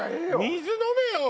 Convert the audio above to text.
水飲めよ！